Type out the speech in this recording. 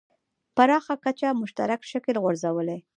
پراخه کچه مشترک شکل غورځولی.